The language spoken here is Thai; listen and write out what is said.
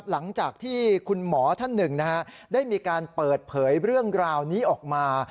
หลังจากที่คุณหมอท่านหนึ่งได้มีการเปิดเผยเรื่องราวนี้ออกมา